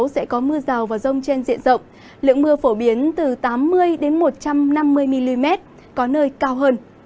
sẽ có mưa rào và rông trên diện rộng lượng mưa phổ biến từ tám mươi một trăm năm mươi mm có nơi cao hơn